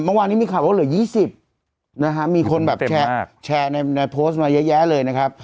เมื่อวานนี้มีข่าวว่าเหลือ๒๐นะฮะมีคนแบบแชร์ในโพสต์มาเยอะแยะเลยนะครับ